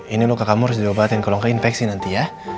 ini luka kamu harus diobatin kalau nggak infeksi nanti ya